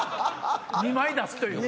２枚出すという。